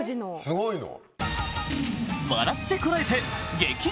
すごいの。